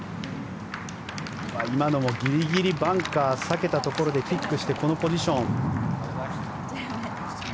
今のもギリギリバンカーを避けたところでキックしてこのポジション。